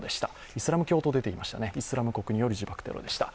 イスラム教と出ていましたね、イスラム国による自爆テロでした。